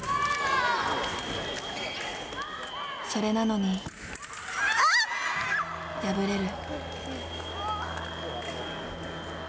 それなのに敗れる。